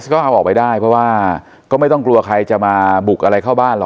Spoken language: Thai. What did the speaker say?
ก็เอาออกไปได้เพราะว่าก็ไม่ต้องกลัวใครจะมาบุกอะไรเข้าบ้านหรอก